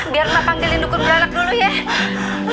biar mak panggil indukur beranak dulu ya